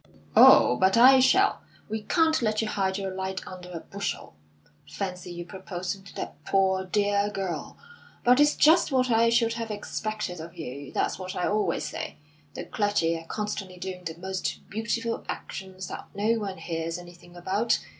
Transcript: "Oh, but I shall. We can't let you hide your light under a bushel. Fancy you proposing to that poor, dear girl! But it's just what I should have expected of you. That's what I always say. The clergy are constantly doing the most beautiful actions that no one hears anything about.